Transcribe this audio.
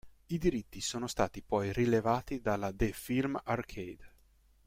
I diritti sono stati poi rilevati dalla The Film Arcade.